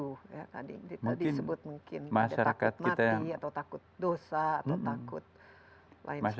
tadi disebut mungkin ada takut mati atau takut dosa atau takut lain sebagainya